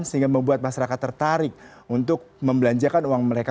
sehingga membuat masyarakat tertarik untuk membelanjakan uang mereka